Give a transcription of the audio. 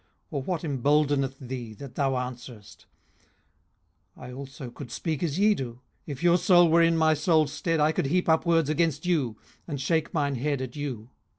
or what emboldeneth thee that thou answerest? 18:016:004 I also could speak as ye do: if your soul were in my soul's stead, I could heap up words against you, and shake mine head at you.